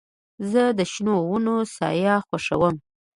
زه د شنو ونو سایه خوښوم.